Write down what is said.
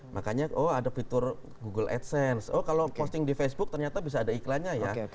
makanya oh ada fitur google adsense oh kalau posting di facebook ternyata bisa ada iklannya ya